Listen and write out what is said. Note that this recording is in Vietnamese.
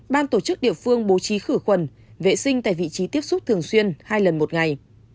ban tổ chức địa phương bố trí khử khuẩn vệ sinh tại vị trí tiếp xúc thường xuyên hai lần một ngày